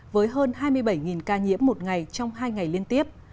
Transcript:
với hơn hai mươi bảy ca nhiễm một ngày trong hai ngày liên tiếp